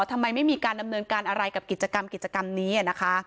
ทำไมไม่มีการดำเนินการอะไรกับกิจกรรมนี้